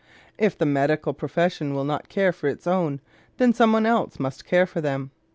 If the medical profession will not care for its own, then some one else must care for them.